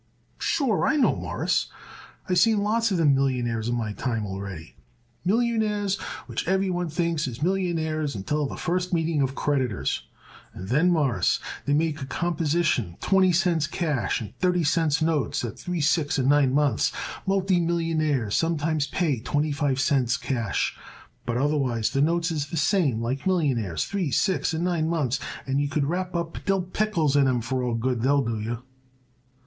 "Sure, I know, Mawruss, I seen lots of them millionaires in my time already. Millionaires which everyone thinks is millionaires until the first meeting of creditors, and then, Mawruss, they make a composition for twenty cents cash and thirty cents notes at three, six and nine months. Multi millionaires sometimes pay twenty five cents cash, but otherwise the notes is the same like millionaires, three, six and nine months, and you could wrap up dill pickles in 'em for all the good they'll do you."